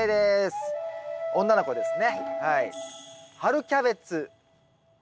女の子ですねはい。